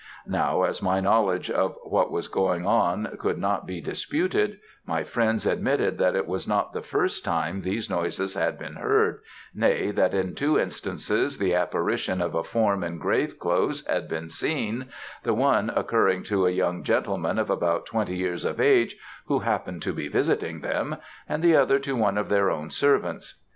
Now, as my knowledge of what was going on could not be disputed, my friends admitted that it was not the first time these noises had been heard, nay, that in two instances the apparition of a form in grave clothes had been seen; the one occurring to a young gentleman of about twenty years of age, who happened to be visiting them, and the other to one of their own servants.